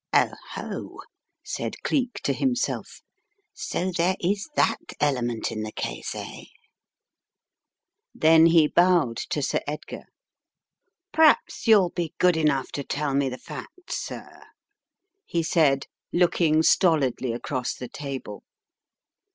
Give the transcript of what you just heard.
"Oho!" said Cleek to himself. "So there is that element in the case, eh?" Then he bowed to Sir Edgar. "P'raps you'll be good enough to tell me the facts, sir," he said, looking stolidly across the table.